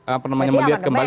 apa namanya melihat kembali